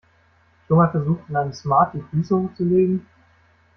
Schon mal versucht, in einem Smart die Füße hochzulegen?